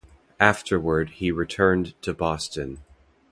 Afterward, he returned to Boston.